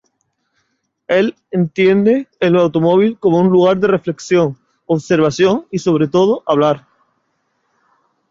El entiende el automóvil como un lugar de reflexión, observación y, sobre todo, hablar.